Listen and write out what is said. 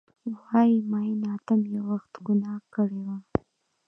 وایې ، میین ادم یو وخت ګناه کړي وه